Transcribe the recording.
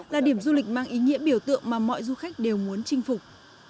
là điểm du lịch mang ý nghĩa biểu tượng mà mọi du khách đều muốn chinh phục